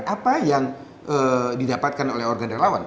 apa yang didapatkan oleh organ relawan